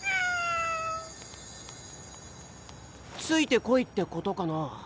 「ついてこい」ってことかな？